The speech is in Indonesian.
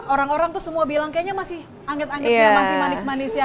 orang orang tuh semua bilang kayaknya masih anget angetnya masih manis manis ya